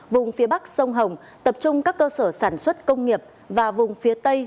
vùng phía bắc sông hồng tập trung các cơ sở sản xuất công nghiệp và vùng phía tây